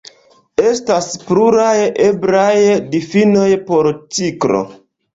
Estas pluraj eblaj difinoj por ciklo.